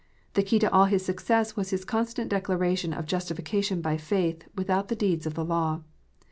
The key to all his success was his constant declaration of justification by faith, without the deeds of the law.